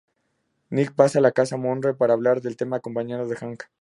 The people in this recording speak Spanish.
Nick pasa a la casa de Monroe para hablar del tema acompañado de Hank.